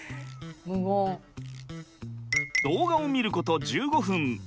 動画を見ること１５分。